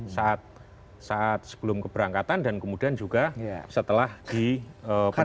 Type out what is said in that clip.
saat sebelum keberangkatan dan kemudian juga setelah di pendaftaran